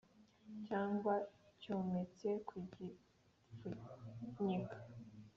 Cyangwa cyometse ku gipfunyika